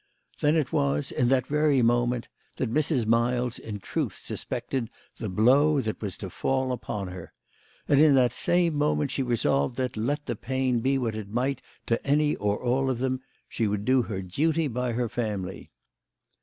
Then it was in that very moment that Mrs. Miles in truth suspected the blow that was to fall upon her ; and in that same moment she resolved that, let the pain be what it might to any or all of them, she would do her duty by her family.